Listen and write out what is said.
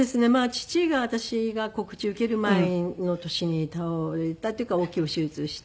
父が私が告知を受ける前の年に倒れたっていうか大きい手術して。